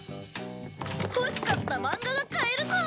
欲しかった漫画が買えるぞ！